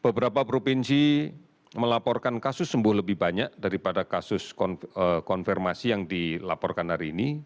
beberapa provinsi melaporkan kasus sembuh lebih banyak daripada kasus konfirmasi yang dilaporkan hari ini